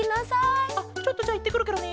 あっちょっとじゃあいってくるケロね。